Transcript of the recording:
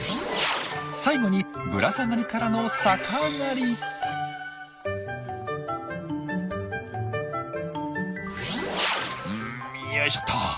最後にぶら下がりからの「よいしょっと」。